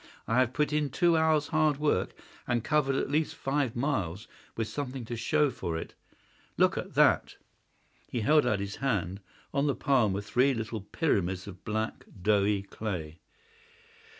I have put in two hours' hard work and covered at least five miles, with something to show for it. Look at that!" He held out his hand. On the palm were three little pyramids of black, doughy clay.